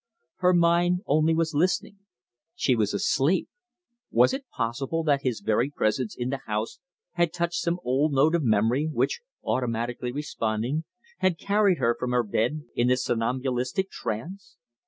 Her mind only was listening. She was asleep. Was it possible that his very presence in the house had touched some old note of memory, which, automatically responding, had carried her from her bed in this somnambulistic trance?